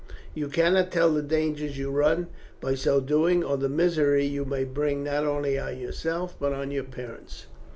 You cannot tell the dangers you run by so doing, or the misery you may bring, not only on yourself, but on your parents."